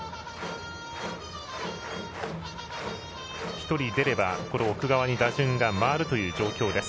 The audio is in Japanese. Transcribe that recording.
１人出れば奥川に打順が回るという状況です。